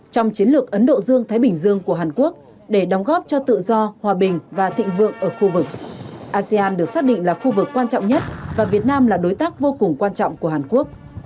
trong chiến lược ấn độ dương thái bình dương của hàn quốc để đóng góp cho tự do hòa bình và thịnh vượng ở khu vực asean được xác định là khu vực quan trọng nhất và việt nam là đối tác vô cùng quan trọng của hàn quốc